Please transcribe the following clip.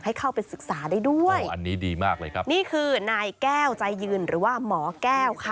ให้เข้าไปศึกษาได้ด้วยอันนี้ดีมากเลยครับนี่คือนายแก้วใจยืนหรือว่าหมอแก้วค่ะ